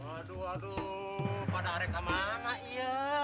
aduh aduh pada areka mana iya